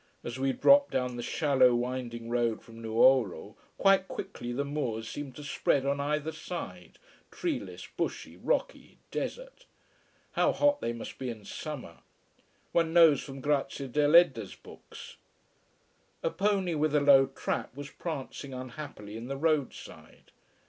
As we dropped down the shallow, winding road from Nuoro, quite quickly the moors seemed to spread on either side, treeless, bushy, rocky, desert. How hot they must be in summer! One knows from Grazia Deledda's books. A pony with a low trap was prancing unhappily in the road side.